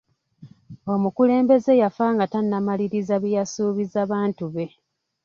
Omukulembeze yafa nga tannamaliriza bye yasuubiza bantu be.